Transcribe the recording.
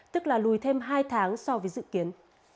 tức là lùi thêm hai tháng so với dự kiến